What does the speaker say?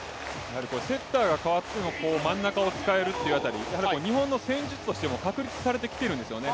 セッターが代わっても真ん中を使えるという辺り日本の戦術としても確立されてきてるんですよね。